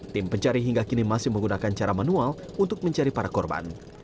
tim pencari hingga kini masih menggunakan cara manual untuk mencari para korban